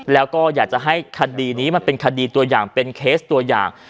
แล้วก็อยากจะให้คดีนี้มันเป็นคดีตัวอย่างเป็นเคสตัวอย่าง